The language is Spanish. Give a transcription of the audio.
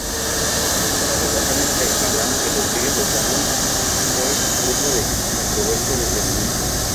La relación entre Abraham y Rodríguez Lozano fue fruto de controversia desde el inicio.